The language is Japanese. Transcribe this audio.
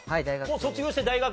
もう卒業して大学？